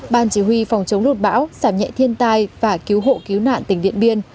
ban chỉ huy phòng chống lụt bão giảm nhẹ thiên tai và cứu hộ cứu nạn tỉnh điện biên